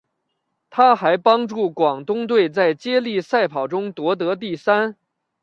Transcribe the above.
她还帮助广东队在接力赛跑中夺得第三。